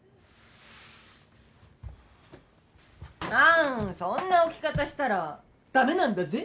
あんそんな置き方したらダメなんだぜ！